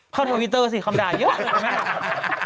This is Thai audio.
ข้าวทวิตเตอร์สิคำด่ายเยอะเลยหนะ